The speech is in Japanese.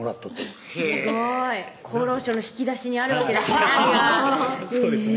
すごい厚労省の引き出しにあるわけですね